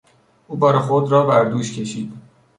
او بار خود را بر دوش کشید.